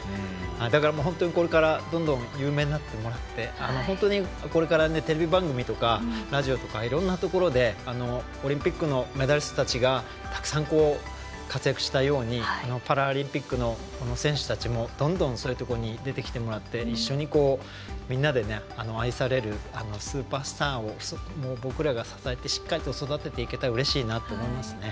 だから、これからどんどん有名になってもらって本当に、これからテレビ番組とかラジオとかいろんなところでオリンピックのメダリストたちがたくさん活躍したようにパラリンピックの選手たちもどんどん、そういうところに出てきてもらって一緒にみんなで愛されるスーパースターを僕らが支えてしっかりと育てていけたらうれしいなと思いますね。